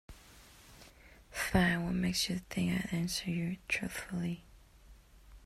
Fine, what makes you think I'd answer you truthfully?